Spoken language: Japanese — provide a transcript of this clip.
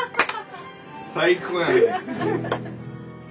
・最高やね。